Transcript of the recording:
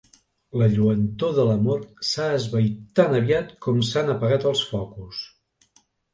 La lluentor de l'amor s'ha esvaït tan aviat com s'han apagat els focus.